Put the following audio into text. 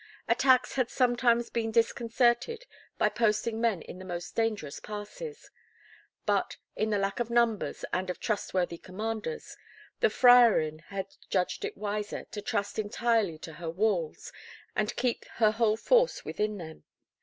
Attacks had sometimes been disconcerted by posting men in the most dangerous passes; but, in the lack of numbers, and of trustworthy commanders, the Freiherrinn had judged it wiser to trust entirely to her walls, and keep her whole force within them.